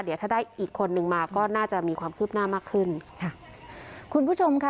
เดี๋ยวถ้าได้อีกคนนึงมาก็น่าจะมีความคลิบหน้ามากขึ้น